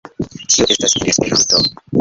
Ĉio estas en Esperanto